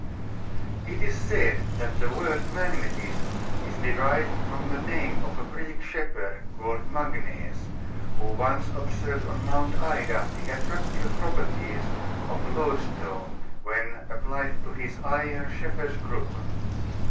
It is said that the word magnetism is derived from the name of a Greek shepherd, called Magnes, who once observed on Mount Ida the attractive properties of loadstone when applied to his iron shepherd's crook.